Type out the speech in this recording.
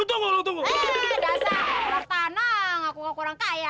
hei dasar lu tanah ngaku gak kurang kaya